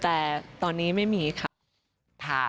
แต่ตอนนี้ไม่มีค่ะ